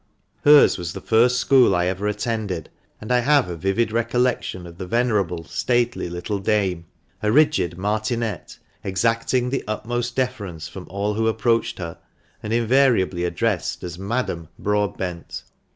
Hers was the first school I ever attended, and I have a vivid recollection of the venerable, stately, little dame— a rigid martinet, exacting the utmost deference from all who approached her, and invariably addressed as ' Madam ' Broadbent.